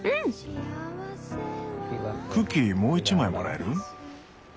クッキーもう１枚もらえる？